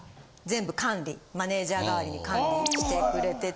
マネージャー代わりに管理してくれてて。